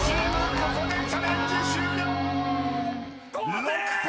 ここでチャレンジ終了！］滉星‼